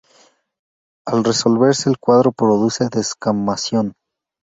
Al resolverse el cuadro produce descamación.